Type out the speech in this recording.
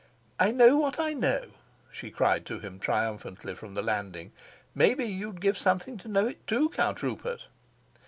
"I know what I know," she cried to him triumphantly from the landing. "Maybe you'd give something to know it too, Count Rupert!"